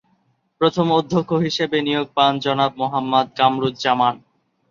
প্রথম অধ্যক্ষ হিসেবে নিয়োগ পান জনাব মোহাম্মদকামরুজ্জামান।